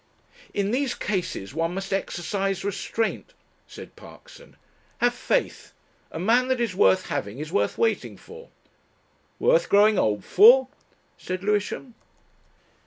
"In these cases one must exercise restraint," said Parkson. "Have faith. A man that is worth having is worth waiting for." "Worth growing old for?" said Lewisham.